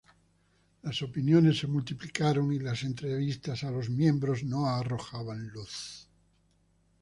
Las opiniones se multiplicaron y las entrevistas a los miembros no arrojaban luz.